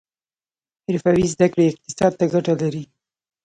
حرفوي زده کړې اقتصاد ته ګټه لري